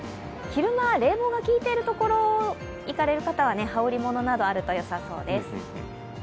昼間は冷房が効いているところへ行かれる方は羽織物などがあるとよさそうです。